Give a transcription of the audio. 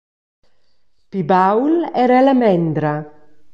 Pli baul era ella mendra.